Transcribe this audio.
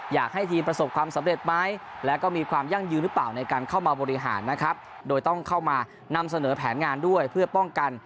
อยากให้ทีมประสบความสำเร็จไหมแล้วก็มีความยั่งยืนหรือเปล่าในการเข้ามาบริหารนะครับโดยต้องเข้ามานำเสนอแผนงานด้วยเพื่อป้องกัน